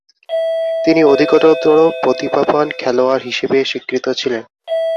তিনি অধিকতর প্রতিভাধর খেলোয়াড় হিসেবে স্বীকৃত ছিলেন।